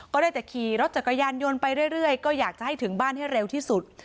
ก็ได้แต่ขี่รถจักรยานยนต์ไปเรื่อยก็อยากจะให้ถึงบ้านให้เร็วที่สุด